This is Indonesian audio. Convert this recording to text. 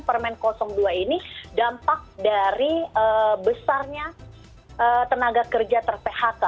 permen dua ini dampak dari besarnya tenaga kerja ter phk